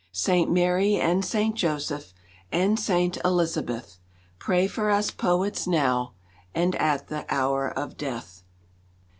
Saint Mary and Saint Joseph, And Saint Elizabeth, Pray for us poets now And at the hour of death.